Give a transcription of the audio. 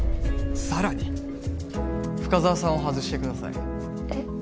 さらに深沢さんを外してくださいえっ？